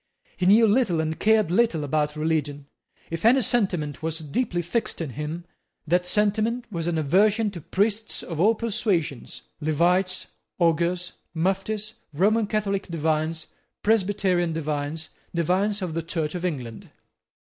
He knew little and cared little about religion. If any sentiment was deeply fixed in him, that sentiment was an aversion to priests of all persuasions, Levites, Augurs, Muftis, Roman Catholic divines, Presbyterian divines, divines of the Church of England.